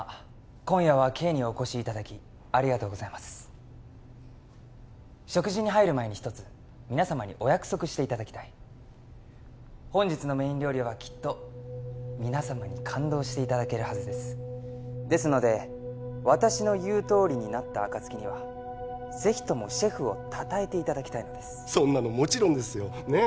今夜は「Ｋ」にお越しいただきありがとうございます食事に入る前に一つ皆様にお約束していただきたい本日のメイン料理はきっと皆様に感動していただけるはずですですので私の言うとおりになった暁にはぜひともシェフをたたえていただきたいのですそんなのもちろんですよねえ